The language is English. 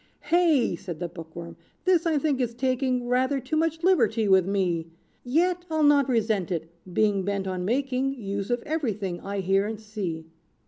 "Hey!" said the bookworm, "this I think is taking Rather too much liberty with me! Yet I'll not resent it; being bent on making Use of every thing I hear and see.